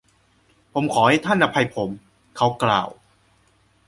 “ผมขอให้ท่านอภัยผม” เขากล่าว